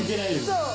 そう！